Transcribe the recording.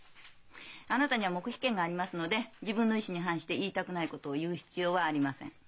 あなたには黙秘権がありますので自分の意思に反して言いたくないことを言う必要はありません。